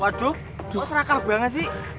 waduh kok serakah gue nggak sih